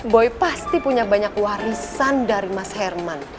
boy pasti punya banyak warisan dari mas herman